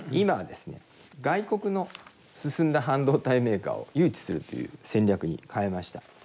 外国の進んだ半導体メーカーを誘致するという戦略に変えました。